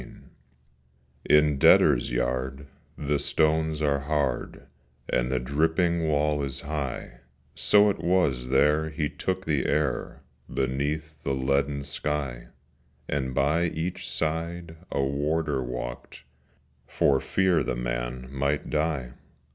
III IN Debtors' Yard the stones are hard, And the dripping wall is high, So it was there he took the air Beneath the leaden sky, And by each side a Warder walked, For fear the man might die.